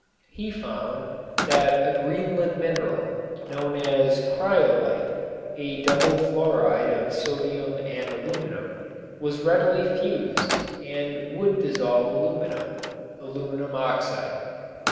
He found that a Greenland mineral, known as cryolite (a double fluoride of sodium and aluminum), was readily fused and would dissolve alumina (aluminum oxide).